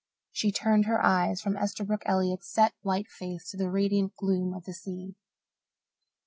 She turned her eyes from Esterbrook Elliott's set white face to the radiant gloom of the sea.